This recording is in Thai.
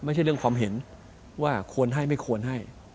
ไม่ใช่เรื่องความเห็นว่าควรให้ไม่ควรให้